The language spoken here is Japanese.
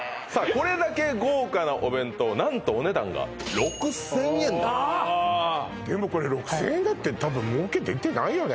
これだけ豪華なお弁当何とお値段がああでもこれ６０００円だってたぶん儲け出てないよね